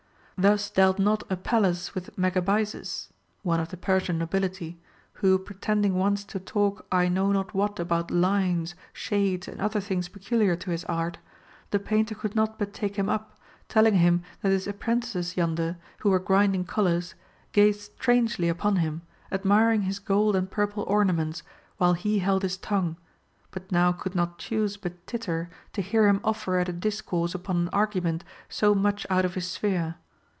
Thus dealt not Apelles with Megabyzus (one of the Per sian nobility), who pretending once to talk I know not what about lines, shades, and Other things peculiar to his art, the painter could not but take him up, telling him that his apprentices yonder, who were grinding colors, gazed strangely upon him, admiring his gold and purple ornaments, while he held his tongue, but now could not choose but titter to hear him offer at a discourse upon an argument so much out of his sphere.